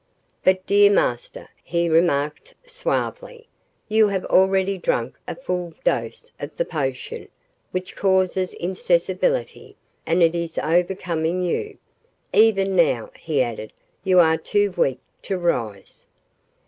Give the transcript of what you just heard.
"But, dear master," he remarked suavely, "you have already drunk a full dose of the potion which causes insensibility, and it is overcoming you. Even now," he added, "you are too weak to rise."